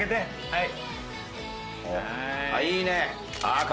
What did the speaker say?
はい。